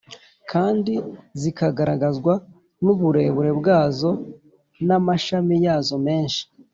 kandi zikagaragazwa n’uburebure bwazo n’amashami yazo menshi